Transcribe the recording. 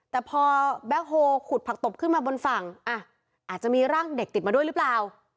แต่พอแบ็คโฮลขุดผักตบขึ้นมาบนฝั่งอาจจะมีร่างเด็กติดมาด้วยหรือเปล่า